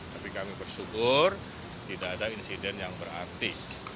tapi kami bersyukur tidak ada insiden yang berarti